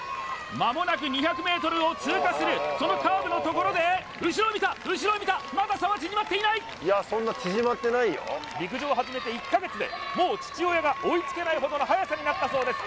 間もなく２００ｍを通過するそのカーブのところで後ろを見た後ろを見たまだ差は縮まっていない陸上を始めて１カ月でもう父親が追いつけないほどの速さになったそうです